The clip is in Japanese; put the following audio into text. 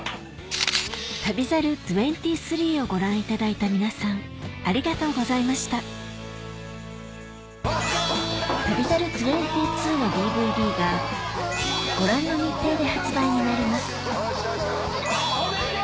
『旅猿２３』をご覧いただいた皆さんありがとうございました『旅猿２２』のＤＶＤがご覧の日程で発売になります止めて！